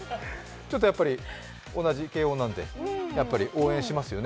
ちょっと同じ慶応なんで応援しますよね。